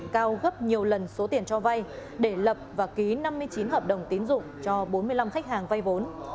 cao gấp nhiều lần số tiền cho vay để lập và ký năm mươi chín hợp đồng tín dụng cho bốn mươi năm khách hàng vay vốn